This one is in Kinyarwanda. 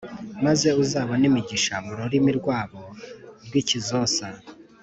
Maze uzabone imigisha mu rurimi rwabo rw’ikizosa